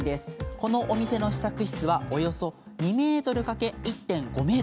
このお店の試着室はおよそ２ｍ×１．５ｍ。